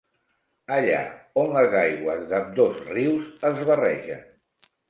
Allà on les aigües d'ambdós rius es barregen.